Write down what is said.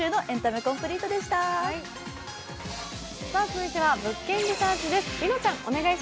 続いては「物件リサーチ」です。